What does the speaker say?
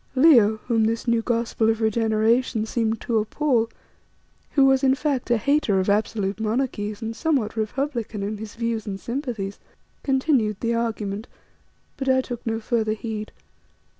Leo, whom this new gospel of regeneration seemed to appall, who was, in fact, a hater of absolute monarchies and somewhat republican in his views and sympathies, continued the argument, but I took no further heed.